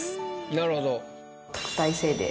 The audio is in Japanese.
なるほど。